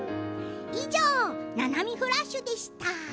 「ななみフラッシュ」でした。